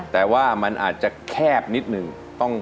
แต่ว่ามันอาจจะแคบนิดหนึ่ง